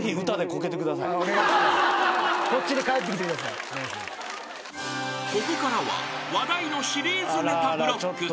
［ここからは話題のシリーズネタブロック］